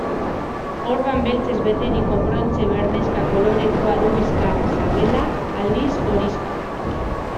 Orban beltzez beteriko brontze-berdexka kolorekoa du bizkarra, sabela, aldiz, horixka.